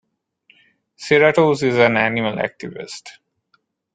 Serratos is an animal activist.